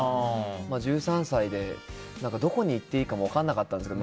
１３歳でどこに行っていいかも分からなかったんですけど